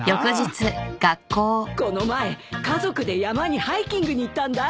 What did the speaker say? この前家族で山にハイキングに行ったんだ。